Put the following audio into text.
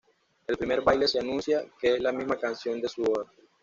El primer baile se anuncia, que es la misma canción de su boda.